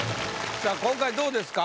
さあ今回どうですか？